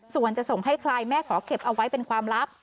ส่วนจะส่งให้ใครแม่ขอเก็บเอาไว้เป็นความลับ